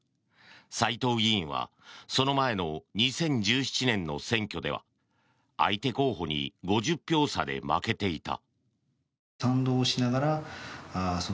斎藤議員はその前の２０１７年の選挙では相手候補に５０票差で負けていた。